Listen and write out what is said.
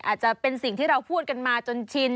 อาจจะเป็นสิ่งที่เราพูดกันมาจนชิน